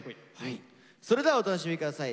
それではお楽しみ下さい。